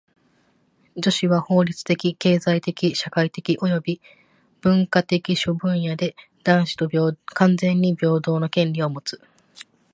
女子は法律的・経済的・社会的および文化的諸分野で男子と完全に平等の権利をもつ。